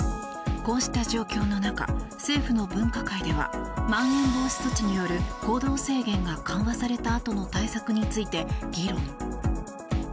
こうした状況の中政府の分科会ではまん延防止措置による行動制限が緩和されたあとの対策について議論。